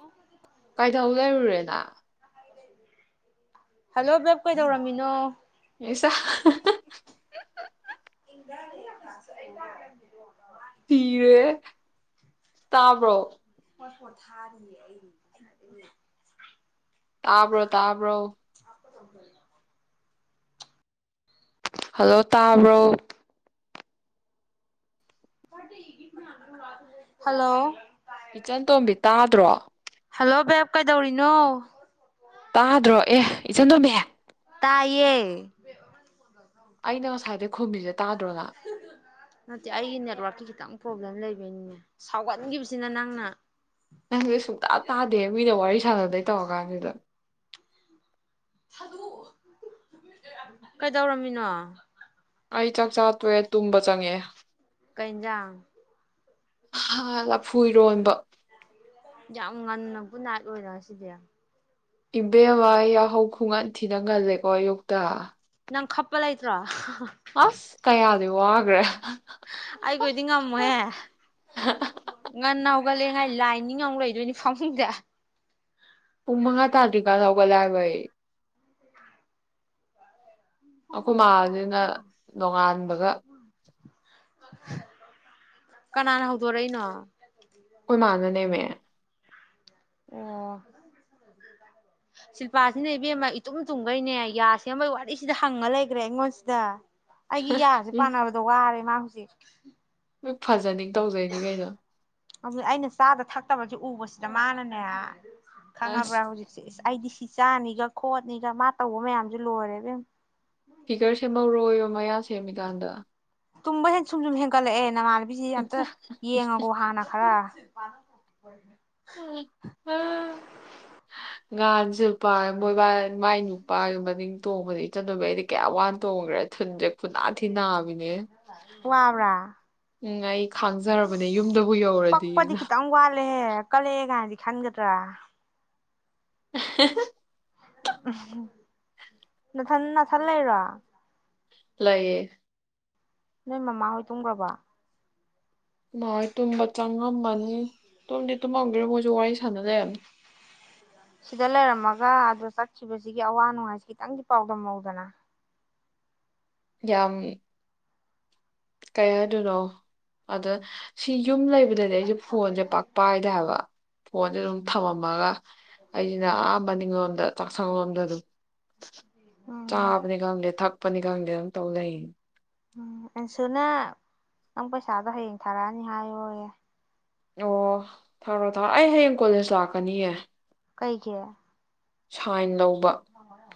ꯑꯣ ꯀꯥꯏꯊꯧ ꯂꯩꯔꯨꯔꯦꯅ ꯍꯜꯂꯣ ꯕꯦꯞ ꯀꯩꯗꯧꯔꯝꯃꯤꯅꯣ ꯏꯁꯥ ꯏ [inaudible] [unintelligible] ꯁꯤꯔꯦ ꯇꯥꯕ꯭ꯔꯣ ꯄ ꯄꯣꯠ ꯊꯥꯔꯤꯌꯦ ꯑꯩꯗꯤꯅꯦ ꯇꯥꯕ꯭ꯔꯣ ꯇꯥꯕ꯭ꯔꯣ [inaudible] [unintelligible] ꯍꯜꯂꯣ ꯇꯥꯕ꯭ꯔꯣ ꯍꯜꯂꯣ ꯏꯆꯟ ꯇꯣꯝꯕꯤ ꯇꯥꯗ꯭ꯔꯣ ꯂꯣꯕꯦꯕ ꯀꯥꯏꯗꯧꯔꯤꯅꯣ ꯇꯥꯗ꯭ꯔꯣ ꯑꯦ ꯏꯆꯟꯇꯣꯝꯕꯤ ꯇꯥꯏꯌꯦ ꯑꯩꯅ ꯉꯁꯥꯥꯏꯗꯩꯩ ꯈꯨꯝꯃꯤꯖꯦ ꯅꯠꯇꯦ ꯑꯩꯒꯤ ꯅꯦꯠꯋꯥꯔꯛꯀꯤ ꯈꯤꯇꯪ ꯄ꯭ꯔꯣꯕ꯭ꯂꯦꯝ ꯂꯩꯕ ꯅꯦ ꯁꯥꯎꯒꯟꯈꯤꯕꯁꯤꯅ ꯅꯪꯅ ꯅꯪꯁꯦ ꯁꯨꯡꯇꯥ ꯇꯥꯗꯦ ꯃꯤꯅ ꯋꯥꯔꯤ ꯁꯥꯟꯅꯗꯩ ꯇꯧꯔ ꯀꯥꯟꯁꯤꯗ ꯀꯩꯗꯧꯔꯝꯃꯤꯅꯣ ꯑꯩ ꯆꯥꯛ ꯆꯥ ꯇꯣꯛꯑꯦ ꯇꯨꯝꯕ ꯆꯪꯉꯛꯑꯦ ꯀꯩꯏꯟꯖꯥꯡ ꯂꯐꯨꯏꯔꯣꯟꯕ ꯌꯥꯝ ꯉꯟꯅ ꯒꯨꯗꯅꯥꯏꯠ ꯑꯣꯏꯅ ꯉꯁꯤꯗꯤ ꯏꯕꯦꯝꯃ ꯌꯥꯍꯧ ꯈꯨꯉꯟ ꯊꯤꯅ ꯉꯜꯂꯦꯀꯣ ꯑꯌꯨꯛꯇ ꯅꯪ ꯈꯞꯄ ꯂꯩꯇ꯭ꯔꯣ ꯑꯁ ꯀꯌꯥꯗꯤ ꯋꯥꯒ꯭ꯔꯦ ꯑꯩꯒ ꯑꯣꯢꯗꯤ ꯉꯝꯃꯣꯏꯍꯦ ꯉꯟꯅ ꯍꯧꯒꯠꯂꯦ ꯉꯥꯏ ꯂꯥꯏ ꯅꯤꯡꯉ ꯑꯃꯨꯛ ꯂꯩ ꯑꯗꯨꯅꯤ ꯐꯪꯃꯨꯡꯗ ꯄꯨꯡ ꯃꯉꯥ ꯇꯥꯔꯤꯀꯥꯟꯗ ꯂꯦ ꯍꯥꯏꯕ ꯑꯩ ꯑꯩꯈꯣꯏ ꯔ ꯃꯥꯁꯤꯅ ꯆ꯭ꯔꯥ ꯅꯣꯡꯉꯥꯟꯕꯒ ꯎ [inaudible] [unintelligible] [unintelligible] ꯀꯅꯥꯅ ꯍꯧꯗꯣꯔꯛꯏꯅꯣ ꯑꯈꯣꯢ ꯃꯅꯥꯅꯦꯃꯦ ꯑꯣ ꯁꯤꯜꯄꯥꯁꯤꯅ ꯏꯕꯦꯝꯃ ꯏꯇꯨꯝ ꯇꯨꯝꯈꯩꯅꯦ ꯌꯥꯁꯦꯝꯕꯩ ꯋꯥꯔꯤꯁꯤꯗ ꯍꯪꯉꯥ ꯂꯩꯈ꯭ꯔꯦ ꯑꯩꯉꯣꯟꯁꯤꯗ ꯑꯩꯒꯤ ꯌꯥꯁꯦ ꯎꯝ ꯄꯥꯟꯅꯕꯗ ꯋꯥꯔꯦ ꯃꯥ ꯇꯦ ꯎꯝ ꯑꯗꯨ ꯑꯩꯅ ꯆꯥꯗ ꯊꯛꯇꯕꯒꯤ ꯎꯕꯕꯁꯤꯗ ꯃꯥꯅꯅꯦ ꯑꯁ ꯈꯪꯉꯕ꯭ꯔꯥ ꯍꯧꯖꯤꯛꯁꯦ ꯏꯁ ꯑꯩꯗꯤ ꯐꯤꯆꯥꯅꯤꯒ ꯈꯣꯠꯅꯤꯒ ꯃꯥ ꯇꯧꯕ ꯃꯌꯥꯝꯁꯨ ꯂꯣꯏꯔꯦꯕꯦꯝ ꯐꯤꯒꯔ ꯁꯦꯝꯍꯧꯔꯣꯏꯔꯣ ꯃꯌꯥ ꯁꯦꯝꯃꯤꯀꯥꯟꯗ ꯇꯨꯝꯃ ꯍ ꯁꯨꯝ ꯁꯨꯝ ꯍꯡꯂ ꯑꯦ ꯅ ꯃꯥ ꯍꯥꯏꯕꯤꯁꯤ ꯑꯝꯇ ꯌꯦꯡꯉꯀꯣ ꯍꯥꯟꯅ ꯈꯔ ꯋꯥꯔ ꯇ ꯎꯝ ꯎ ꯉꯥꯟꯁꯨꯦ ꯅꯨꯄꯥ ꯃꯣꯏ ꯃꯥꯏ ꯅꯨꯄꯥ ꯃꯅꯤꯡ ꯇꯣꯡꯕꯗꯤ ꯏꯆꯟꯗꯕꯤ ꯑꯩꯗꯤ ꯀꯌꯥ ꯋꯥꯅ ꯇꯣꯡꯉꯈ꯭ꯔꯦ ꯊꯟꯖꯈꯣꯅꯥ ꯊ ꯅꯥꯅꯦ ꯋꯥꯕ꯭ꯔꯥ ꯎꯝ ꯑꯩ ꯈꯥꯡꯖꯔꯕꯅꯦ ꯌꯨꯝꯗꯕꯨ ꯌꯧꯔꯗꯤꯅ ꯀꯦ ꯀꯂꯦꯒꯗꯤ ꯈꯥꯟꯒꯗ꯭ꯔꯥ [unintelligible] ꯅꯊ ꯅꯊꯜ ꯂꯩꯔ ꯂꯩꯑꯌꯦ ꯅꯣꯏ ꯃꯃꯥ ꯍꯣꯏ ꯇꯨꯝꯈ꯭ꯔꯕ ꯃꯥꯣꯏ ꯇꯨꯝꯕ ꯆꯪꯉꯝꯃꯅꯤ ꯇꯨꯝꯗꯤ ꯇꯨꯝꯍꯧꯗꯔꯣ ꯃꯣꯏꯁꯨ ꯋꯥꯔꯤ ꯁꯥꯟꯅꯖꯩ ꯁꯤꯗ ꯂꯩꯔꯝꯃꯒ ꯑꯗꯨꯗꯣ ꯆꯠꯈꯤꯕꯁꯤꯒꯤ ꯑꯋꯥ ꯅꯨꯡꯉꯥꯏꯁꯤ ꯈꯤꯇꯪꯗꯤ ꯄꯥꯎꯗꯝꯍꯧꯗꯅ ꯌꯥꯝꯏ ꯀꯌꯥꯗꯣꯏꯅꯣ ꯑꯗ ꯁꯤ ꯌꯨꯝ ꯂꯩꯕ ꯗꯗꯤ ꯑꯩꯁꯦ ꯐꯣꯟꯁꯦ ꯄꯥꯛꯄ ꯍꯥꯏꯗ ꯍꯥꯏꯕ ꯐꯣꯟꯁꯦ ꯑꯗꯨꯝ ꯊꯝꯃꯝꯃꯒ ꯑꯩꯟ ꯑꯝꯕꯅꯤꯉ ꯆꯥꯛꯁꯥꯡꯣꯝꯗ ꯑꯗꯨꯝ ꯎꯝ ꯆꯥꯕ ꯅꯤ ꯈꯗ ꯊꯛ ꯄꯅꯤ ꯀꯒꯦ ꯇꯧ ꯂꯩ ꯎꯝ ꯑꯟꯁꯨꯅ ꯅꯪ ꯄꯩꯁꯥꯗꯣ ꯍꯌꯦꯡ ꯊꯥꯔꯛꯑꯅꯤ ꯍꯥꯏꯌꯣꯌꯦꯦ ꯑꯣ ꯊꯥꯔꯣꯑꯣ ꯊꯥꯔꯑꯣ ꯑꯩ ꯍꯌꯦꯡ ꯀꯣꯂꯦꯖ ꯂꯥꯛꯀꯅꯤꯌꯦ ꯀꯩ ꯀꯦ ꯁꯥꯏꯗꯧ ꯑꯗꯨꯣ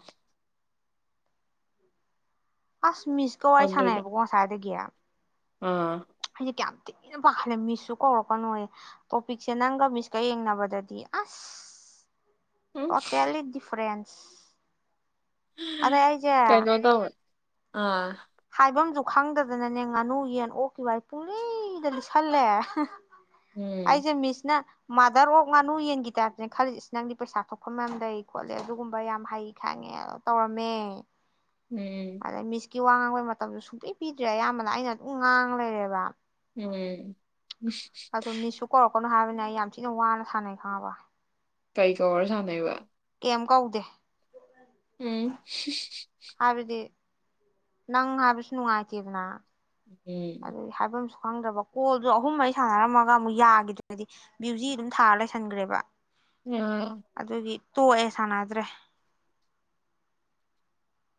ꯑꯁ ꯃꯤꯁꯀꯧ ꯋꯥꯔꯤ ꯑꯗꯨꯗ ꯁꯥꯟꯅꯕꯀꯣ ꯉꯁꯥꯏꯗꯒꯦꯌꯥ ꯑꯥ ꯑꯩꯁꯦ ꯀꯌꯥꯝ ꯊꯤꯅ ꯄꯥꯈꯜꯂꯦ ꯃꯤꯁꯁꯨ ꯀꯧꯔꯛꯀꯅꯣꯌꯦ ꯇꯣꯄꯤꯛꯁꯦ ꯅꯪꯒ ꯃꯤꯁꯀ ꯌꯦꯡꯅꯕꯗꯗꯤ ꯑꯁ ꯎꯝ ꯇꯣꯠꯇ ꯑ ꯗꯤꯐꯔꯦꯟꯁ ꯑꯗ ꯑꯩꯖꯦ ꯀꯩꯅꯣ ꯇꯧꯋꯦ ꯑꯥ ꯍꯥꯏꯐꯝꯁꯨ ꯈꯪꯗꯗꯅꯅꯦ ꯉꯥꯅꯨ ꯌꯦꯟ ꯑꯣꯛꯈꯤꯕ ꯑꯩ ꯄꯨꯡꯂꯤꯗ ꯂꯤꯠꯁꯜꯂꯦ ꯎꯝ ꯑꯩꯁꯦ ꯃꯤꯁ ꯅ ꯃꯥꯗꯔ ꯑꯣꯐ ꯉꯥꯅꯨ ꯌꯦꯟꯒꯤ ꯇꯥꯏꯞꯇꯅꯦ ꯈꯜꯂꯤꯁ ꯅꯪꯗꯤ ꯄꯩꯁꯥ ꯊꯣꯛꯄ ꯉꯝꯗꯩ ꯈꯣꯠꯂꯦ ꯑꯗꯨꯒꯨꯝꯕ ꯌꯥꯝ ꯍꯩ ꯈꯪꯉꯦ ꯑ ꯇꯧꯔꯝꯃꯦ ꯎꯝ ꯀ ꯃꯇꯝꯗꯨ ꯁꯨꯡꯛꯇꯩ ꯄꯤꯗ꯭ꯔꯦ ꯑꯌꯥꯝꯕꯅ ꯑꯩꯅ ꯑꯗꯨꯝ ꯉꯥꯡ ꯂꯩꯔꯦꯕ ꯎꯝ ꯀꯅꯣ ꯍꯥꯏꯕꯅꯤꯅ ꯑꯩ ꯌꯥꯝ ꯊꯤꯅ ꯋꯥꯅ ꯁꯥꯟꯅꯩ ꯈꯪꯉꯕ ꯀꯩ ꯀꯧꯔ ꯁꯥꯟꯅꯩꯕ ꯀꯩꯝ ꯀꯧꯗꯦ ꯎꯝ ꯍꯥꯏꯕꯗꯤ ꯅꯪ ꯍꯥꯕꯁꯅꯨꯉꯥꯏꯇꯗꯅ ꯎꯝ ꯑꯗꯨꯗꯤ ꯍꯥꯏꯐꯝ ꯈꯪꯗ꯭ꯔꯕ ꯀꯣꯜꯗꯨꯣ ꯑꯍꯨꯝꯩ ꯁꯥꯟꯅꯔꯝꯃꯒ ꯑꯃꯨꯛ ꯌꯥꯈꯤꯗ꯭ꯔꯗꯤ ꯕ꯭ꯌꯨꯖꯤ ꯑꯗꯨꯝ ꯊꯥꯔ ꯂꯩꯁꯟꯈ꯭ꯔꯦꯕ ꯎꯝ ꯑꯗꯨꯒꯤ ꯇꯣꯛꯑꯦ ꯁꯥꯟꯅꯗ꯭ꯔꯦ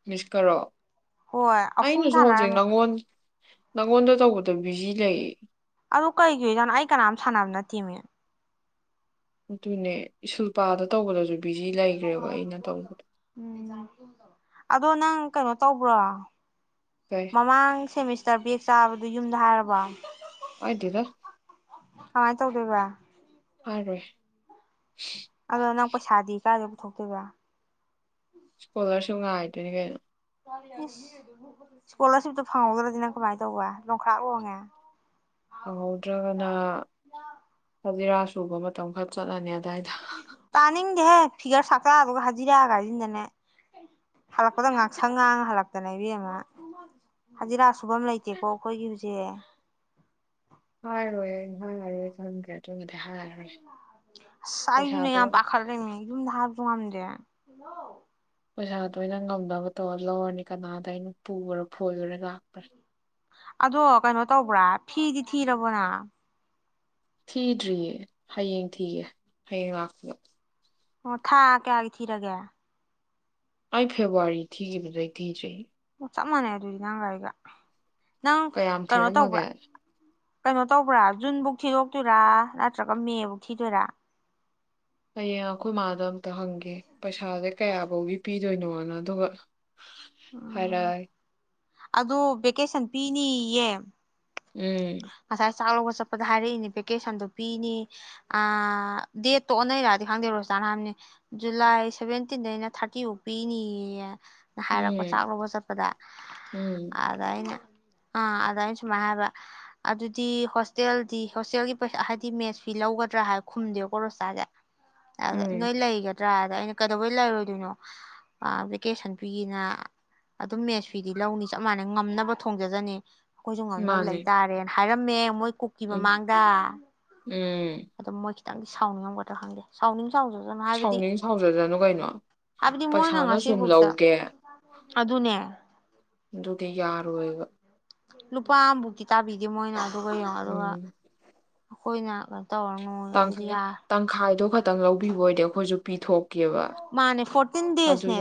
ꯃꯤꯁꯀꯣ ꯍꯣꯏ ꯑꯍꯨꯝ ꯁꯥꯟꯅꯔꯝꯃꯦ ꯅꯪꯉꯣꯟꯗ ꯇꯧꯕꯗ ꯕꯤꯖꯤ ꯂꯩ ꯑꯗꯨ ꯀꯩꯒꯤꯗꯠꯅꯣ ꯑꯩ ꯀꯅꯥꯝ ꯁꯥꯟꯅꯕꯅ ꯊꯤꯉ ꯑꯗꯨꯅꯦ ꯁꯨꯜꯄꯥꯗ ꯇꯧꯒꯗꯁꯨꯅꯦ ꯕꯤꯖꯤ ꯂꯩꯈ꯭ꯔꯦꯕ ꯑꯩꯅ ꯇꯧꯕꯗꯣ ꯎꯝ ꯑꯗꯣ ꯅꯪ ꯀꯩꯅꯣ ꯇꯧꯕ꯭ꯔꯣ ꯀꯩ ꯃꯃꯥꯡ ꯁꯤꯦꯃꯤꯁ ꯆꯥꯕꯦꯛ ꯆꯥꯕꯗꯨ ꯌꯨꯝꯗ ꯍꯥꯏꯔꯕ ꯑꯣꯏꯗꯤꯔ ꯀꯃꯥꯏꯅ ꯇꯧꯗꯣꯏꯕ ꯑꯔꯦ ꯑꯗꯣ ꯅꯪ ꯄꯩꯁꯥꯗꯤ ꯀꯥꯗ ꯄꯨꯊꯣꯛꯇꯣꯏꯗ꯭ꯔꯥ ꯁꯀꯣꯂꯔꯁꯤꯤꯞꯥꯏꯇ ꯀ ꯏꯁ ꯏꯁꯀꯣꯂꯥꯔꯁꯤꯞꯇꯣ ꯐꯪꯍꯧꯗ꯭ꯔꯗꯤꯅ ꯀꯃꯥꯏꯅ ꯇꯧꯕ ꯂꯣꯡꯈꯔꯥꯛ ꯂꯣꯡꯉꯦ ꯐꯪꯍꯧꯗ꯭ꯔꯒꯅ ꯐꯖꯤꯔꯥ ꯁꯨꯕ ꯃꯇꯝ ꯇꯇꯨꯈꯛ ꯆꯠꯂꯅꯤꯅ ꯇꯥꯅꯤꯡꯒꯦꯍꯦ ꯐꯤꯒꯔ ꯁꯥꯛꯇꯥꯛ ꯑꯗꯨꯒ ꯍꯖꯤꯔꯥ ꯀꯥꯏꯁꯤꯗꯅꯦ ꯍꯜꯂꯛꯄꯗ ꯉꯥꯡꯁꯪ ꯉꯥꯡ ꯍꯜꯂꯛꯇꯅ ꯏꯕꯤ ꯑꯃ ꯍꯖꯤꯔꯥ ꯁꯨꯐꯝ ꯂꯩꯇꯦꯀꯣ ꯑꯩꯈꯣꯏꯒꯤ ꯍꯧꯖꯤꯛ ꯍ ꯍꯣꯏ ꯍ ꯊꯒꯦ ꯁꯥꯏꯁꯨꯅ ꯄꯩꯁꯥꯗꯣ ꯌꯥꯝ ꯄꯥꯈꯔꯔꯦ ꯌꯨꯝ ꯊꯔ ꯇꯗꯦ ꯍꯜꯂꯣ ꯄꯩꯁꯥꯗꯣ ꯑꯩꯅ ꯉꯝꯗꯅꯕ ꯇꯧꯔ ꯂꯧꯔꯅꯤ ꯀꯅꯥꯗ ꯑꯩꯅ ꯄꯨꯈꯔꯣ ꯐꯣꯏꯈꯔꯦ ꯂꯥꯛꯄꯁꯦ ꯑꯗꯣ ꯀꯩꯅꯣ ꯇꯧꯕ꯭ꯔꯥ ꯐꯤꯗꯤ ꯊꯤꯔꯕꯣꯅ ꯊꯤꯗ꯭ꯔꯤꯌꯦ ꯍꯌꯦꯡ ꯊꯤꯒꯦ ꯍꯌꯦꯡ ꯂꯥꯛꯄꯗ ꯑꯣ ꯊꯥ ꯀꯌꯥꯒꯤ ꯊꯤꯔꯒꯦ ꯑꯩ ꯐꯦꯕꯋꯥꯔꯤ ꯊꯤꯈꯤꯕꯗꯏ ꯊꯤꯗ꯭ꯔꯤ ꯑꯣ ꯆꯞ ꯃꯥꯟꯅꯩ ꯑꯗꯨꯗꯤ ꯅꯥꯡꯒꯒꯥꯥꯏꯒ ꯅꯪ ꯀꯌꯥꯝ ꯀꯩꯅꯣ ꯊꯤꯔꯝꯃꯒꯦ ꯇꯧꯕ꯭ꯔꯥ ꯀꯩꯅꯣ ꯇꯧꯕ꯭ꯔꯥ ꯖꯨꯟꯕꯨꯧ ꯊꯤꯗꯣꯛꯇꯣꯏꯔꯥ ꯅꯠꯇ꯭ꯔꯒ ꯃꯦꯕꯨꯧ ꯊꯤꯗꯣꯏꯔꯥ ꯀꯩ ꯑꯩꯈꯣꯏ ꯃꯥꯙꯕ ꯍꯪꯒꯦ ꯄꯩꯁꯥꯁꯦ ꯀꯌꯥ ꯐꯧꯒꯤ ꯄꯤ ꯀꯗꯩꯅꯣꯅ ꯑꯗꯨꯒ ꯍꯔꯣꯏ ꯑꯗꯨ ꯚꯦꯀꯦꯁꯟ ꯄꯤꯅꯤꯌꯦ ꯎꯝ ꯉꯁꯥꯏ ꯆꯥꯛ ꯂꯧꯕ ꯆꯠꯄꯗ ꯍꯥꯏꯔꯛꯏꯅꯦ ꯚꯦꯀꯦꯁꯟꯗꯣ ꯄꯤꯅꯤ ꯗꯦꯠꯇꯣ ꯑꯣꯟꯅꯩꯔꯗꯤ ꯈꯪꯗꯦꯔꯣ ꯆꯖꯥ ꯅꯍꯥꯟꯅꯦ ꯖꯨꯂꯥꯏ ꯁꯚꯦꯟꯇꯤꯟꯗꯩꯅ ꯊꯥꯔꯇꯤꯐꯧ ꯄꯤꯅꯤꯌꯦ ꯍꯥꯏꯔꯛꯄ ꯆꯥꯛ ꯎꯝ ꯂꯧꯕ ꯆꯠꯄꯗ ꯎꯝ ꯑꯗ ꯑꯩꯅ ꯑ ꯑꯅ ꯆꯨꯝꯃ ꯍꯥꯏꯕ ꯑꯗꯨꯗꯤ ꯍꯣꯁꯇꯦꯜꯗꯤ ꯍꯣꯁꯇꯦꯜꯒꯤ ꯄꯩꯁꯥ ꯍꯥꯏꯗꯤ ꯃꯦꯠꯁ ꯐꯤ ꯂꯧꯒꯗ꯭ꯔꯥ ꯍꯥꯏ ꯈꯨꯝꯗꯦꯕꯀꯣ ꯔꯣꯁꯥꯁꯦ ꯑ ꯎꯝ ꯅꯣꯏ ꯏꯂ ꯍꯒꯦ ꯅꯠꯇ꯭ꯔꯥꯗ ꯑꯩꯅ ꯀꯩꯗꯧꯕꯩ ꯂꯩꯔꯣꯏꯗꯣꯏꯅꯣ ꯚꯦꯀꯦꯁꯟ ꯐꯤꯅ ꯑꯗꯨꯝ ꯃꯦꯠꯁ ꯐꯤꯗꯤ ꯂꯧꯅꯤ ꯆꯞ ꯃꯥꯟꯅꯩ ꯉꯝꯅꯕ ꯊꯣꯡꯖꯗꯅꯤ ꯑꯩꯣꯏꯁꯨꯣꯡ ꯉꯝꯅ ꯂ ꯃꯥꯅꯦ ꯂꯩ ꯍꯥꯏꯔꯝꯃꯦ ꯃꯣꯏ ꯀꯛꯀꯤ ꯎꯝ ꯃꯃꯥꯡꯗ ꯎꯝ ꯑꯗꯨꯝ ꯃꯣꯏ ꯈꯤꯇꯪꯗꯤ ꯁꯥꯎꯅꯤꯡꯉꯒꯗꯥ ꯈꯪꯗꯦ ꯁꯥꯎꯅꯤꯡ ꯁꯥꯎꯖꯁꯅꯨ ꯍꯥꯏꯕꯗꯤ ꯁꯥꯎꯅꯤꯡ ꯁꯥꯎꯖꯗꯅꯨ ꯀꯩꯅꯣ ꯍꯥꯏꯕꯗꯤ ꯃꯣꯏꯅ ꯄꯩꯁꯥꯅ ꯁꯨꯝ ꯉꯁꯤꯕꯨꯛꯇ ꯂꯧꯒꯦ ꯑꯗꯨꯅꯦ ꯑꯗꯨꯗꯤ ꯌꯥꯔꯣꯏꯕ ꯂꯨꯄꯥꯑꯕꯨꯒꯤ ꯇꯥꯕꯤꯗꯤ ꯃꯣꯏ ꯅ ꯑꯗꯨꯒ ꯌꯥꯗꯕ ꯍꯣꯏꯅ ꯇꯥꯡ ꯇ ꯐꯥꯏꯗꯣ ꯈ ꯈꯤꯇ ꯂꯧꯕꯤꯕ ꯑꯣꯏꯗꯤ ꯑꯩꯈꯣꯏꯁꯨ ꯄꯤꯊꯣꯛ ꯃꯥꯅꯦ ꯐꯣꯔꯇꯤꯟ ꯗꯦꯖꯅꯦ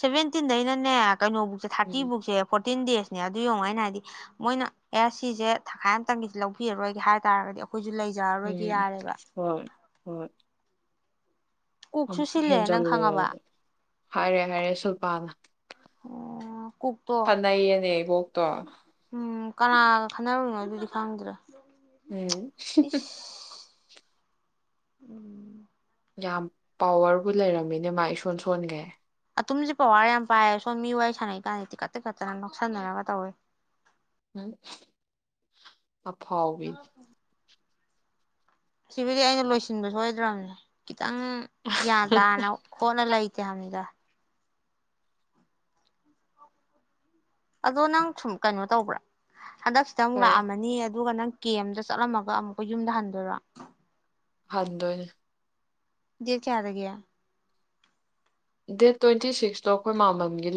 ꯁꯚꯦꯟ ꯇꯤꯟꯗꯩꯅ ꯅ ꯀꯩꯅꯣꯕꯨꯛꯁꯦ ꯊꯥꯔꯇ ꯎꯝ ꯕꯨꯛꯁꯦ ꯐꯣꯔ ꯐꯤꯞꯇꯤꯟ ꯗꯦꯖꯅꯦ ꯑꯗꯨ ꯌꯦꯡꯉ ꯑꯩꯅ ꯍꯥꯏꯗꯤ ꯃꯣꯏꯅ ꯑꯦ ꯁꯤꯁꯦ ꯊꯈꯥꯏ ꯑꯃꯇꯪꯒꯤꯁ ꯂꯧꯕꯤꯔꯔꯣꯏꯒꯦ ꯍꯥꯏ ꯇꯔꯒꯗꯤ ꯑꯩ ꯑꯩꯈꯣꯏꯁꯨ ꯂꯩꯖꯔꯔꯣꯏꯒ ꯎꯝ ꯌꯥꯔꯦꯕ ꯍꯣꯏ ꯀꯨꯛꯁꯨ ꯁꯤꯜꯂꯦ ꯅꯪ ꯍꯦꯟꯖꯤꯜꯂꯦ ꯈꯪꯉꯕ ꯍꯥꯏꯔꯦ ꯍꯥꯏꯔꯦ ꯁꯨꯜꯄꯥꯥꯟꯅ ꯑꯣ ꯀꯨꯛꯇꯣ ꯀꯅꯥꯏ ꯌꯦꯅꯦ ꯏꯕꯣ ꯇ ꯎꯝ ꯀꯅꯥꯒ ꯈꯟꯅꯔꯨꯅꯣ ꯑꯗꯨꯗꯤ ꯈꯪꯗ꯭ꯔꯥ ꯎꯝ ꯎꯝ ꯌꯥꯝ ꯄꯋꯔꯕꯨ ꯂꯩꯔꯝꯃꯤꯅꯦ ꯃꯥ ꯏꯁꯣꯟ ꯁꯣꯟꯒꯦ ꯑꯇꯨꯝꯁ ꯄꯋꯥꯔ ꯌꯥꯝ ꯄꯥꯏꯌꯦ ꯁꯣꯝ ꯃꯤ ꯋꯥꯔꯤ ꯁꯥꯟꯅꯩ ꯀꯥꯟꯗꯗꯤꯤ ꯀꯠꯇ ꯀꯠꯇꯅ ꯅꯧꯁꯤꯟꯅꯔꯒ ꯇꯧꯋꯦ ꯎꯝ ꯑꯐꯥꯎꯕꯤꯗꯤ ꯁꯤꯕꯨꯗꯤ ꯑꯩꯅ ꯂꯣꯏꯁꯤꯟꯕ ꯁꯣꯏꯗ꯭ꯔꯕꯅꯦ ꯈꯤꯇꯪ ꯒ꯭ꯌꯥꯟ ꯇꯥꯅ ꯈꯣꯠꯅ ꯂꯩ ꯆꯝꯗ ꯑꯗꯣ ꯅꯪ ꯁꯨꯝ ꯀꯩꯅꯣ ꯇꯧꯕ꯭ꯔꯥ ꯍꯟꯗꯛꯁꯤꯗ ꯑꯃꯨꯛ ꯍꯣꯏ ꯂꯥꯛꯑꯝꯃꯅꯤ ꯑꯗꯨꯒ ꯅꯪ ꯀꯦ ꯑꯗ ꯆꯠꯂꯝꯃꯒ ꯑꯃꯨꯛꯀ ꯌꯨꯝꯗ ꯍꯟꯗꯣꯏꯔꯥ ꯍꯗꯅꯦ ꯌꯦ ꯀꯌꯥꯗꯒꯦ ꯗꯦꯠ ꯇ꯭ꯋꯦꯟꯇꯤ ꯁꯤꯛꯁꯇꯣ ꯑꯩꯈꯣꯏ ꯃꯥꯃꯝꯒꯤ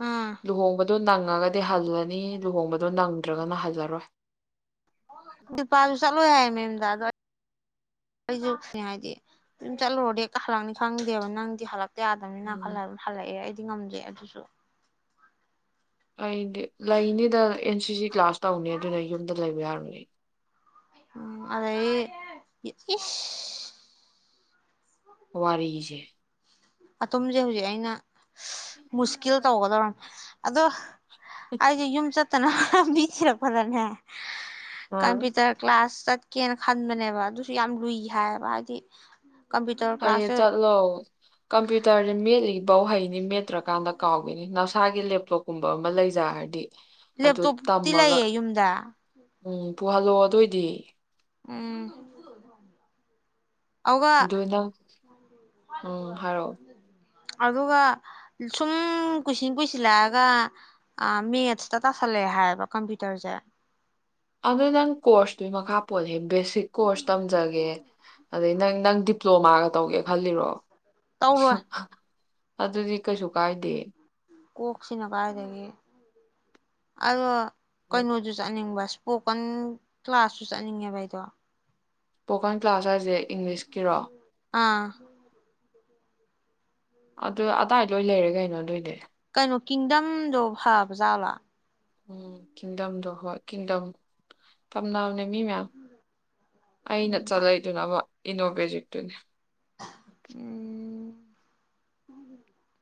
ꯑꯥ ꯑ ꯅꯪꯒꯥ ꯀꯗꯤ ꯍꯜꯋꯥ ꯅꯤ ꯂꯨꯍꯣꯡꯕꯗꯣ ꯅꯪ ꯅꯠꯇ꯭ꯔꯒꯅ ꯍꯥꯏꯖꯔꯣꯏ ꯅꯨꯄꯥꯁꯨ ꯆꯠꯂꯣꯏ ꯍꯥꯏ ꯃꯦꯝꯗ ꯑꯗꯣ ꯑꯩꯁꯨ ꯍꯥꯏꯗꯤ ꯑꯗꯨꯝ ꯆꯠꯂꯨꯔꯗꯤ ꯍꯜꯂꯛꯅꯤ ꯈꯪꯗꯦꯕ ꯅꯪꯗꯤ ꯍꯜꯂꯄ ꯌꯥꯗꯕꯅꯤꯅ ꯈꯜꯂ ꯎꯝ ꯍꯜꯂꯛꯑꯦ ꯑꯩꯗꯤ ꯉꯝꯗ꯭ꯔꯦ ꯑꯗꯨꯁꯨ [inaudible] ꯑꯩꯗꯤ ꯂꯩꯅꯤꯗ ꯑꯦꯟ ꯁꯤ ꯁꯤ ꯀ꯭ꯂꯥꯁ ꯇꯧꯅꯤ ꯑꯗꯨꯅ ꯌꯨꯝꯗ ꯂꯩꯕ ꯌꯥꯔꯝꯒ [unintelligible] ꯎꯝ ꯑꯩ ꯏ ꯋꯥꯔꯖꯦ ꯑꯝꯁꯦ ꯍꯧꯖꯤꯛ ꯑꯩꯅ ꯃꯨꯁꯀꯤꯜ ꯇꯧꯒꯗꯧꯔꯅꯤ ꯑꯗꯣ ꯑꯩꯁꯦ ꯌꯨꯝ ꯆꯠꯇꯅ ꯂꯝꯕꯤ ꯊꯤꯔꯛꯄꯗꯅꯦ ꯑ ꯀꯝꯄ꯭ꯌꯨꯇꯔ ꯀ꯭ꯂꯥꯁ ꯆꯠꯀꯦꯅ ꯈꯟꯕꯅꯦꯕ ꯑꯗꯨꯁꯨ ꯌꯥꯝ ꯂꯨꯏ ꯍꯥꯏꯌꯦꯕ ꯍꯥꯏꯗꯤ ꯀꯝꯄ꯭ꯌꯨꯇꯔ ꯐꯩꯌꯦ ꯀ꯭ꯂꯥꯁꯁꯦ ꯆꯠꯂꯣ ꯀꯝꯄ꯭ꯌꯨꯇꯔꯁ ꯃꯦꯠꯂꯤꯕꯧ ꯍꯩꯅꯤ ꯃꯦꯠꯇ꯭ꯔꯀꯥꯟꯗ ꯀꯥꯎꯈꯤꯅꯤ ꯅꯁꯥꯒꯤ ꯂꯦꯞꯇꯣꯞꯀꯨꯝꯕ ꯑꯃ ꯂꯩꯖꯔꯗꯤ ꯑꯗꯨ ꯂꯦꯞꯇꯣꯞꯇꯤ ꯇꯝꯃꯒ ꯂꯩꯌꯦ ꯌꯨꯝꯗ ꯎꯝ ꯄꯨꯍꯜꯂꯣ ꯑꯗꯨꯏꯗꯤ ꯎꯝ ꯑꯗꯨꯒ ꯑꯗꯨꯅ ꯎꯝ ꯍꯥꯏꯔꯛꯑꯣ ꯑꯗꯨꯒ ꯁꯨꯝ ꯀꯨꯏꯁꯤꯡꯟ ꯀꯨꯏꯁꯤꯜꯂꯛꯑꯒ ꯃꯦꯠꯁꯇ ꯇꯥꯁꯜꯂꯛꯑꯦ ꯍꯥꯏꯌꯦꯕ ꯀꯝꯄ꯭ꯌꯨꯇꯔꯁꯦ ꯑꯗꯨ ꯅꯪ ꯀꯣꯔꯁꯇꯨꯒꯤ ꯃꯈꯥ ꯄꯣꯜꯂꯦꯍꯦ ꯕꯦꯁꯤꯛ ꯀꯣꯔꯁ ꯇꯝꯖꯒꯦ ꯑꯗꯩ ꯅꯪ ꯅꯪ ꯗꯤꯄ꯭ꯂꯣꯃꯥꯒ ꯇꯧꯒꯦ ꯈꯜꯂꯤꯔꯣ ꯇꯧꯔꯣꯏ ꯑꯗꯨꯗꯤ ꯀꯩꯁꯨ ꯀꯥꯏꯗꯦ ꯀꯣꯛꯁꯤꯅ ꯀꯥꯏꯗꯒꯤ ꯑꯗꯣ ꯀꯩꯅꯣꯗꯨ ꯆꯠꯅꯤꯡꯕꯁ ꯏꯁꯄꯣꯀꯟ ꯀ꯭ꯂꯥꯁꯁꯨ ꯆꯠꯅꯤꯡꯉꯦꯕ ꯑꯩꯗꯣ ꯏꯁꯄꯣꯀꯥꯟ ꯀ꯭ꯂꯥꯁ ꯍꯥꯏꯁꯦ ꯏꯪꯂꯤꯁꯀꯤꯔꯣ ꯑꯥ ꯑꯗꯨ ꯑꯗꯥꯏꯗ ꯂꯣꯏ ꯂꯩꯔꯦ ꯀꯩꯅꯣ ꯑꯗꯨꯏꯗꯤ ꯀꯩꯅꯣ ꯀꯤꯡꯗꯝꯗꯣ ꯐꯕꯖꯥꯠꯂ ꯎꯝ ꯀꯤꯡꯗꯝꯗꯣ ꯍꯣꯏ ꯀꯤꯡꯗꯝ ꯇꯝꯅꯕꯅꯦ ꯃꯤ ꯃꯌꯥꯝ ꯑꯩꯅ ꯎꯝ ꯆꯠꯂꯠꯏꯗꯨꯅ ꯑꯃꯥ ꯏꯅꯣꯕꯦꯖꯤꯛꯇꯨꯅꯦ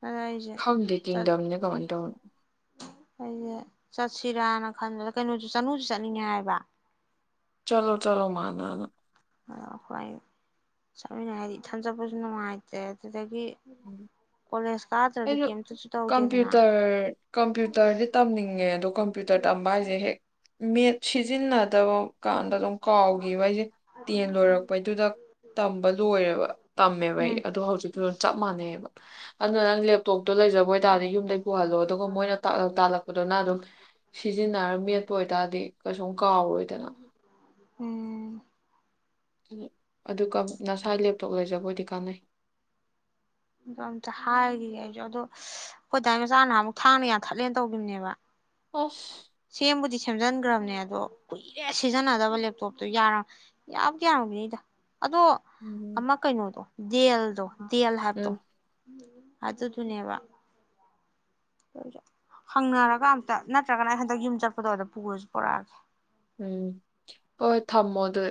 ꯎꯝ [inaudible] ꯈꯪꯗꯦ ꯀꯤꯡꯗꯝꯗꯤ ꯀꯃꯥꯏ ꯇꯧꯕꯅꯣ ꯑꯩꯁꯦ ꯆꯠꯁꯤꯔꯥꯅ ꯈꯟꯕꯗ ꯀꯩꯅꯣꯁꯨ ꯆꯅꯨꯁꯨ ꯆꯠꯅꯤꯡꯉꯦ ꯍꯥꯏꯕ ꯆꯂꯣ ꯆꯂꯣ ꯃꯅꯥꯅ ꯑꯗ ꯑꯩꯈꯣꯏ ꯆꯠꯃꯤꯟꯅꯥꯏ ꯍꯥꯏꯗꯤ ꯏꯊꯟ ꯆꯠꯄꯁꯨ ꯅꯨꯡꯉꯥꯏꯇꯦ ꯑꯗꯨꯗꯒꯤ ꯎꯝ ꯀꯣꯂꯦꯖ ꯀꯥꯗ꯭ꯔꯗꯤ ꯑꯩꯁꯨ ꯀꯩꯝꯇꯁꯨ ꯇꯧꯗꯦꯗꯅ ꯀꯝꯄ꯭ꯌꯨꯇꯔ ꯀꯝꯄ꯭ꯌꯨꯇꯔꯗꯤ ꯇꯝꯅꯤꯡꯉꯦ ꯑꯗꯣ ꯀꯝꯄ꯭ꯌꯨꯇꯔ ꯇꯝꯕ ꯍꯥꯏꯁꯦ ꯍꯦꯛ ꯃꯦꯠ ꯁꯤꯖꯤꯟꯅꯗꯕ ꯀꯥꯟꯗ ꯑꯗꯨꯝ ꯀꯥꯎꯈꯤꯕ ꯑꯩꯁꯦ ꯇꯦꯟ ꯂꯣꯏꯔꯛꯄꯩꯗꯨꯗ ꯇꯝꯕ ꯂꯣꯏꯔꯦꯕ ꯇꯝꯃꯦꯕ ꯑꯩ ꯎꯝ ꯑꯗꯨꯣ ꯍꯧꯖꯤꯛ ꯂꯣꯏꯅ ꯃꯅꯩꯕ ꯑꯗꯨꯅ ꯂꯦꯞ ꯇꯣꯞꯇꯣ ꯂꯩꯖꯕ ꯑꯣꯏꯇꯥꯔꯗꯤ ꯌꯨꯝꯗꯩ ꯄꯨꯍꯜꯂꯣ ꯑꯗꯨꯒ ꯃꯣꯏꯅ ꯇꯥꯛꯂꯛ ꯇꯥꯛꯜꯂꯛꯄꯗꯨꯅ ꯑꯗꯨꯝ ꯁꯤꯖꯤꯟꯅꯔꯒ ꯃꯦꯠꯄ ꯑꯣꯏꯇꯥꯔꯗꯤ ꯀꯩꯁꯨꯝ ꯀꯥꯎꯔꯣꯏꯗꯅ ꯎꯝ ꯎꯝ ꯑꯗꯨ ꯅꯁꯥꯥꯏ ꯂꯦꯞꯇꯣꯛ ꯂꯩꯖꯕꯣꯏꯗꯤ ꯆꯥꯅꯩ ꯑꯗ ꯑꯝꯇ ꯍꯥꯏꯔꯤꯌꯦ ꯑꯩꯁꯨ ꯑꯗꯣ ꯑꯩꯈꯣꯏꯗꯥꯏ ꯃꯆꯥ ꯅꯍꯥꯟ ꯑꯃꯨꯛ ꯊꯥꯡꯅ ꯌꯥꯟꯊꯠꯂꯦꯅ ꯇꯧꯈꯤꯕꯅꯦꯕ ꯑꯣꯐ ꯁꯦꯝꯕꯨꯗꯤ ꯁꯦꯝꯖꯤꯟꯈ꯭ꯔꯕꯅꯦ ꯑꯗꯣ ꯀꯨꯏꯔꯦ ꯁꯤꯖꯤꯟꯅꯗꯕ ꯂꯦꯞꯇꯣꯞꯇꯣ ꯌꯥꯔ ꯌꯥꯝꯗꯤ ꯌꯥꯔꯝꯃꯤꯅꯤꯗ ꯑꯗꯣ ꯎꯝ ꯑꯃ ꯀꯩꯅꯣꯗꯣ ꯦꯜꯗ ꯗꯌꯥꯜꯍꯔꯗꯣ ꯎꯝ ꯍꯥ ꯑꯗꯨ ꯇꯨ ꯅ ꯋꯥ ꯍꯪꯅꯔꯒ ꯑꯝꯇ ꯅꯠꯇ꯭ꯔꯒꯅ ꯑꯩ ꯍꯟꯗꯛ ꯌꯨꯝ ꯆꯠꯄꯗꯣꯗ ꯄꯨꯔꯁꯨ ꯄꯔꯛꯑꯒꯦ ꯎꯝ ꯑ ꯊꯃꯣ ꯑꯗꯨ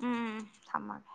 ꯎꯝ ꯊꯝꯃꯒꯦ